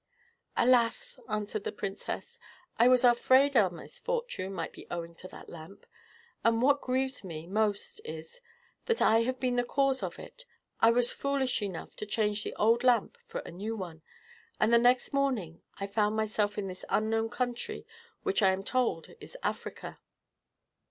"Alas!" answered the princess, "I was afraid our misfortune might be owing to that lamp; and What grieves me" most is, that I have been the cause of it. I was foolish enough to change the old lamp for a new one, and the next morning I found myself in this unknown country, which I am told is Africa."